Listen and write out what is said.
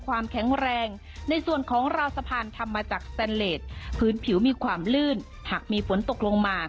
ก็แห้งแล้วแล้วว่ายังไง